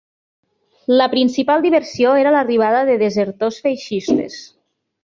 La principal diversió era l'arribada de desertors feixistes